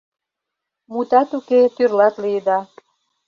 — Мутат уке, тӱрлат лиеда.